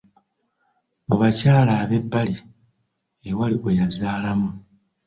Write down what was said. Mu bakyala ab'ebbali, ewali gwe yazaalamu.